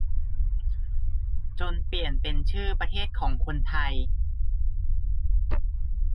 จนเปลี่ยนเป็นชื่อประเทศของคนไทย